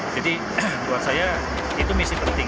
jadi buat saya itu misi penting